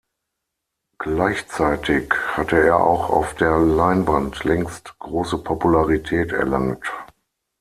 Gleichzeitig hatte er auch auf der Leinwand längst große Popularität erlangt.